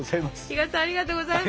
比嘉さんありがとうございます。